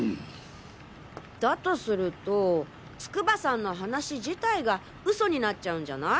だとすると筑波さんの話自体が嘘になっちゃうんじゃない？